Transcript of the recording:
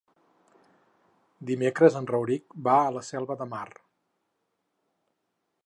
Dimecres en Rauric va a la Selva de Mar.